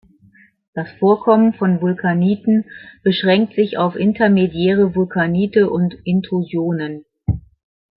Das Vorkommen von Vulkaniten beschränkt sich auf intermediäre Vulkanite und Intrusionen.